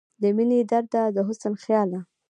د مينې درده، د حسن خياله